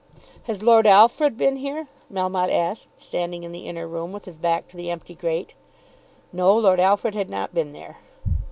"Has Lord Alfred been here?" Melmotte asked, standing in the inner room with his back to the empty grate. No, Lord Alfred had not been there.